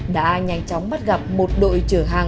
đã nhanh chóng bắt gặp một đội chở hàng